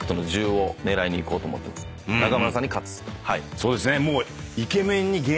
そうですね。